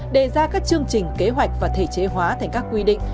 đề ra các chương trình kế hoạch và thể chế hóa thành các quy định